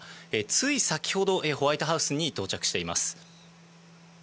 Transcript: つい先ほどホワイトハウスに到着しています。